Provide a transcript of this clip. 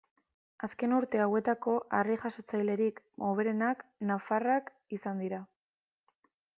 Azken urte hauetako harri-jasotzailerik hoberenak nafarrak izan dira.